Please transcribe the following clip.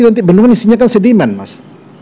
nanti bendungan isinya kan sediman mas